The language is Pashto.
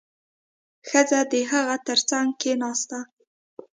ښځه د هغه تر څنګ کېناسته.